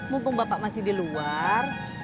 mumpung bapak masih di luar